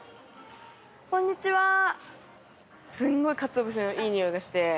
すごいかつお節のいい匂いがして。